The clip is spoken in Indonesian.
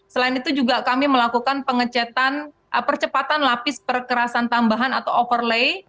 selain itu juga kami melakukan pengecetan percepatan lapis perkerasan tambahan atau overlay